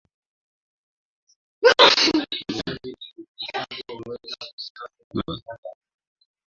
viongozi wa Jumuia ya kiuchumi ya nchi za Afrika ya magharibi